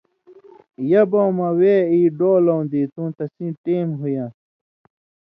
یبؤں مہ وے ای ڈولؤں دیتُوں تسیں ٹیم ہُویان٘س